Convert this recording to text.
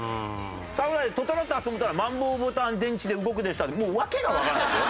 「サウナで整ったと思ったらマンボウボタン電池で動くでした」ってもう訳がわからないでしょ。